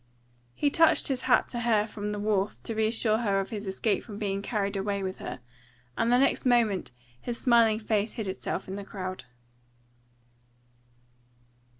He touched his hat to her from the wharf to reassure her of his escape from being carried away with her, and the next moment his smiling face hid itself in the crowd.